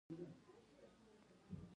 که هغه له نورو سره برابر ونه ګڼو.